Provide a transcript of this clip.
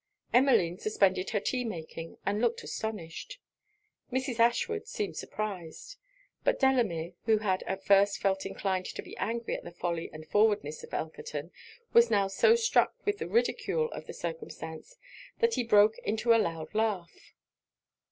Emmeline suspended her tea making, and looked astonished. Mrs. Ashwood seemed surprized. But Delamere, who had at first felt inclined to be angry at the folly and forwardness of Elkerton, was now so struck with the ridicule of the circumstance, that he broke into a loud laugh.